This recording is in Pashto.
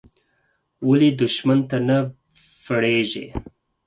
ولې دوښمن ته نه بړېږې.